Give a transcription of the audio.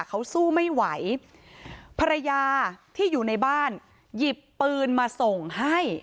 เขาสู้ไม่ไหวภรรยาที่อยู่ในบ้านหยิบปืนมาส่งให้